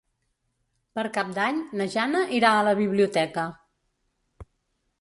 Per Cap d'Any na Jana irà a la biblioteca.